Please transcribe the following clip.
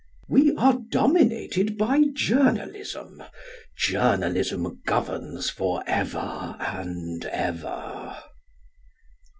_We are dominated by journalism.... Journalism governs for ever and ever.